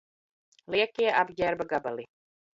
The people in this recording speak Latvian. Liekie apģērba gabali